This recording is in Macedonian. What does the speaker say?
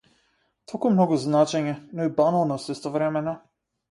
Толку многу значење, но и баналност истовремено.